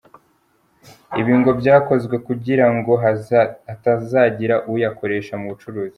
Ibi ngo byakozwe kugira ngo hatazagira uyakoresha mu bucuruzi.